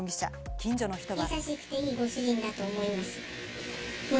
近所の人は。